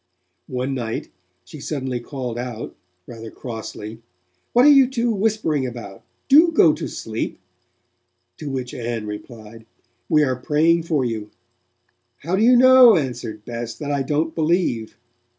One night, she suddenly called out, rather crossly, 'What are you two whispering about? Do go to sleep,' to which Ann replied: 'We are praying for you.' 'How do you know,' answered Bess, 'that I don't believe?'